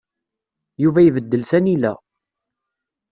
Yuba ibeddel tanila.